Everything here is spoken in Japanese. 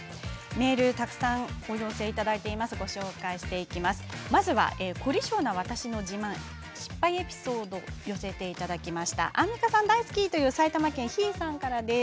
メールをたくさんいただいています。